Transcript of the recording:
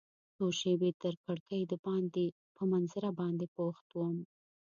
څو شیبې تر کړکۍ دباندې په منظره باندې بوخت وم.